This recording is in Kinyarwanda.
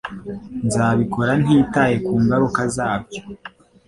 Nzabikora ntitaye ku ngaruka zabyo.